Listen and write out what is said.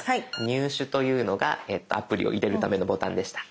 「入手」というのがアプリを入れるためのボタンでした。